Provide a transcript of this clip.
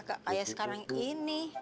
kakak kaya sekarang ini